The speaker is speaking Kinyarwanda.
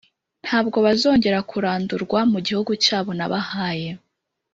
ntabwo bazongera kurandurwa mu gihugu cyabo nabahaye.”